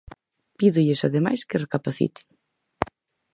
Pídolles, ademais, que recapaciten.